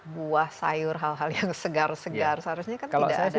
buah sayur hal hal yang segar segar seharusnya kan tidak ada